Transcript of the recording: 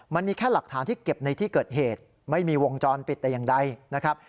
มันมีแค่หลักฐานที่เก็บในที่เกิดเหตุไม่มีวงจรปิดแต่อย่างใดนะครับ